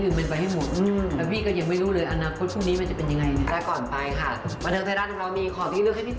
อยู่ในวันนี้ทำวันนี้ให้ดีที่สุด